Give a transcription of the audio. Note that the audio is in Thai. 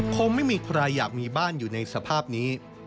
คงไม่มีใครอยากมีบ้านอยู่ในสภาพนี้